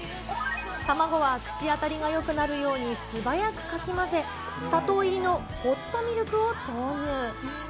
卵は口当たりがよくなるように素早くかき混ぜ、砂糖入りのホットミルクを投入。